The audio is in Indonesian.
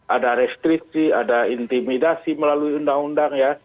ada restriksi ada intimidasi melalui undang undang ya